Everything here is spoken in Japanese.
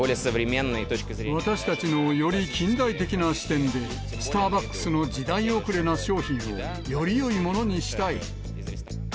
私たちのより近代的な視点で、スターバックスの時代遅れな商品を、よりよいものにしたい。